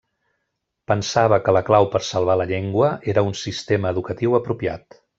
Pensava que la clau per salvar la llengua era un sistema educatiu apropiat.